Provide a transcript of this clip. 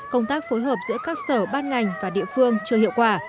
công tác phối hợp giữa các sở ban ngành và địa phương chưa hiệu quả